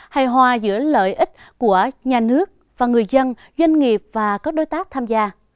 hay hòa giữa lợi ích của nhà nước và người dân doanh nghiệp và các đối tác tham gia